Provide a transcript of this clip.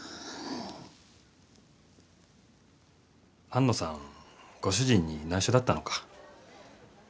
安野さんご主人に内緒だったのか。